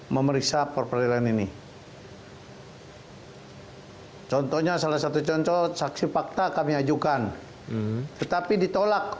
memeriksa perperadilan ini contohnya salah satu contoh saksi fakta kami ajukan tetapi ditolak